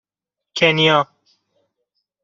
کنیا